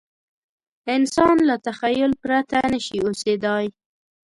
انسان له تخیل پرته نه شي اوسېدای.